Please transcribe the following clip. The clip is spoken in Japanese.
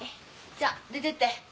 じゃ出てって。